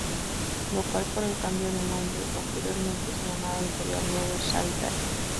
Lo cual por el cambio de nombre, anteriormente se llamaba Imperial Never Say Die!